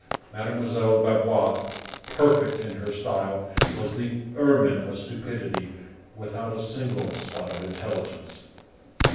Mademoiselle Vaubois, perfect in her style, was the ermine of stupidity without a single spot of intelligence.